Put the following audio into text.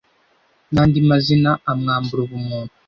n’andi mazina amwambura ubumuntu